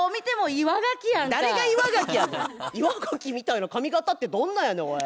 岩ガキみたいな髪形ってどんなやねんおい。